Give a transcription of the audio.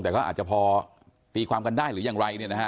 แต่ก็อาจจะพอตีความกันได้หรือยังไร